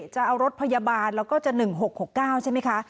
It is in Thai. จะเอารถพยาบาลแล้วก็จะ๑๖๖๙ใช่ไหมคะ